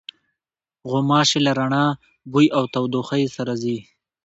غوماشې له رڼا، بوی او تودوخې سره ځي.